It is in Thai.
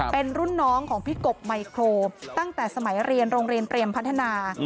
เป็นรุ่นน้องของพี่กบไมโครตั้งแต่สมัยเรียนโรงเรียนเตรียมพัฒนา